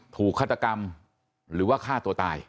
ฆาตกรรมหรือว่าฆ่าตัวตาย